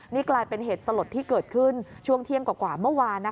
นี่กลายเป็นเหตุสลดที่เกิดขึ้นช่วงเที่ยงกว่าเมื่อวาน